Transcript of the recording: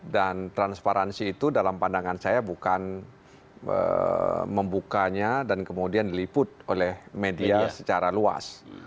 dan transparansi itu dalam pandangan saya bukan membukanya dan kemudian diliput oleh media secara luas